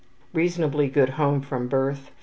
Reasonably good home from birth .